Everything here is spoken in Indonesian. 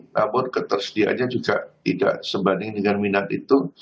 namun ketersediaannya juga tidak sebanding dengan minat itu